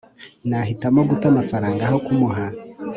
nahitamo guta amafaranga aho kumuha